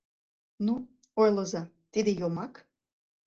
Ну, ойлыза: тиде — йомак?